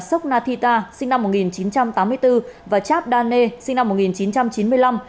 sok nathita sinh năm một nghìn chín trăm tám mươi bốn và chabdane sinh năm một nghìn chín trăm chín mươi năm